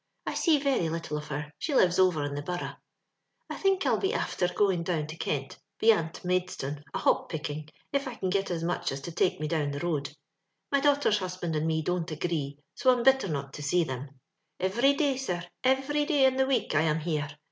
I see very little of her, — she lives over in the Borough. *' I think 111 be afbher going down to Kent, beyant Maidstone, a hop picking, if I can git as much as to take me down tbe road. *' My daughter's husband and me dont agree, so I'm bitter not to see tliem. " Iveiy day, sir — ivery day in the week I am here.